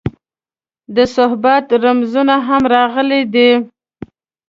د صحبت رموز هم راغلي دي.